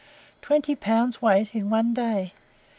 twenty pounds weight in one day!